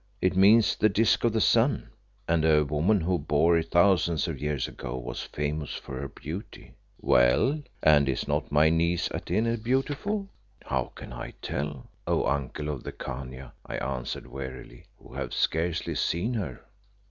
It means the Disk of the Sun, and a woman who bore it thousands of years ago was famous for her beauty." "Well, and is not my niece Atene beautiful?" "How can I tell, O uncle of the Khania," I answered wearily, "who have scarcely seen her?"